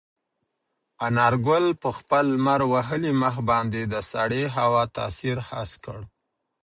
انارګل په خپل لمر وهلي مخ باندې د سړې هوا تاثیر حس کړ.